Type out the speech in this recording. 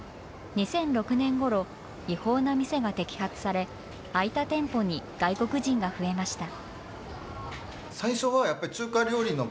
２００６年ごろ、違法な店が摘発され、空いた店舗に外国人が増えました。